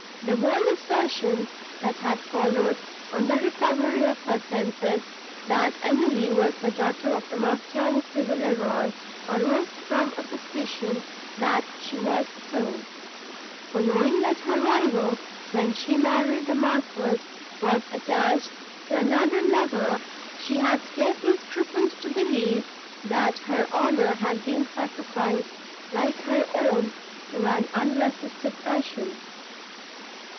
The bold assertion, that had followed, on the recovery of her senses, that Emily was the daughter of the Marchioness de Villeroi, arose from a suspicion that she was so; for, knowing that her rival, when she married the Marquis, was attached to another lover, she had scarcely scrupled to believe, that her honour had been sacrificed, like her own, to an unresisted passion.